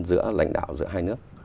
giữa lãnh đạo giữa hai nước